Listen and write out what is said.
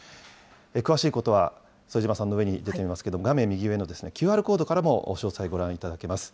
詳しいことは副島さんの上に出ていますけれども、画面右上のＱＲコードからも詳細をご覧いただけます。